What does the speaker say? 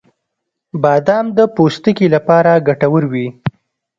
• بادام د پوستکي لپاره ګټور وي.